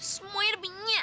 semuanya lebih nyak